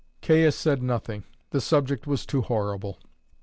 Caius said nothing; the subject was too horrible.